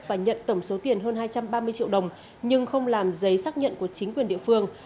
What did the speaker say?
và nhận tổng số tiền hơn hai trăm ba mươi triệu đồng nhưng không làm giấy xác nhận của chính quyền địa phương